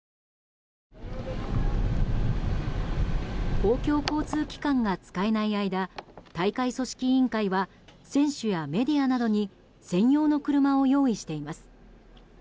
公共交通機関が使えない間大会組織委員会は選手やメディアなどに専用の車を用意しています。